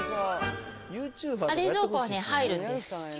冷蔵庫はね、入るんです。